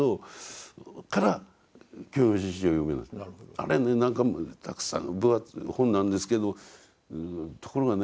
あれはね何かたくさん分厚い本なんですけどところがね